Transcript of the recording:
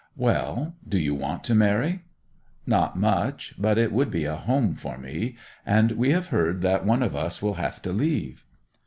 'Well—do you want to marry?' 'Not much. But it would be a home for me. And we have heard that one of us will have to leave.